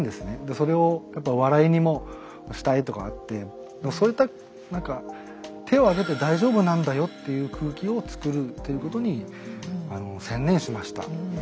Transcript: それをやっぱ笑いにもしたいとかあってそういった何か手をあげて大丈夫なんだよっていう空気をつくるということに専念しました。